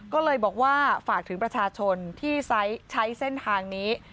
ก็เลยบอกว่าฝากถึงประชาชนที่ใช้เส้นทางนี้